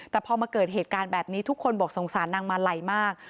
แต่พอมาเกิดเหตุการณ์แบบนี้ทุกคนบอกสงสารนางมาลัยมาก